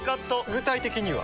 具体的には？